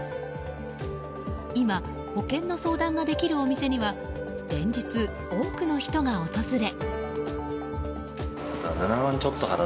今、保険の相談ができるお店には連日、多くの人が訪れ。